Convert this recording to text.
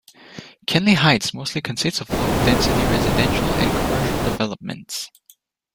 Canley Heights mostly consists of low-density residential and commercial developments.